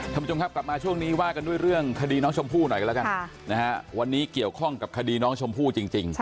ท่านผู้ชมครับกลับมาช่วงนี้ว่ากันด้วยเรื่องคดีน้องชมพู่หน่อยกันแล้วกันนะฮะวันนี้เกี่ยวข้องกับคดีน้องชมพู่จริง